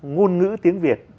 ngôn ngữ tiếng việt